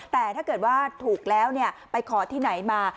แต่ถ้าเกิดว่าถูกแล้วไปขอที่ไหนมา